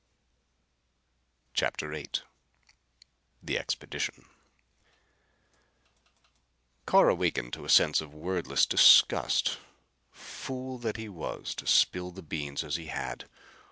CHAPTER VIII The Expedition Carr awakened to a sense of wordless disgust. Fool that he was to spill the beans as he had!